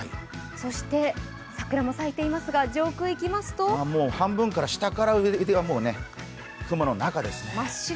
そして、桜も咲いていますが、上空いきますともう半分から下から上、雲の中ですね。